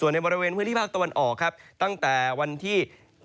ส่วนในบริเวณพื้นที่ภาคตะวันออกตั้งแต่วันที่๒๖๒๙